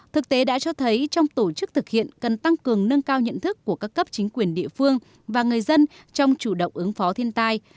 thực tế đã cho thấy trong tổ chức thực hiện cần tăng cường nâng cao nhận thức của các cấp chính quyền địa phương và người dân trong chủ động ứng phó thiên tai